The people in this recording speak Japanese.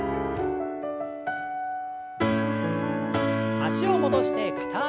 脚を戻して片脚跳び。